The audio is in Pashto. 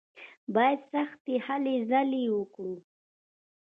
بايد سختې هلې ځلې وکړو.